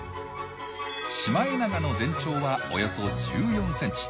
シマエナガの全長はおよそ１４ｃｍ。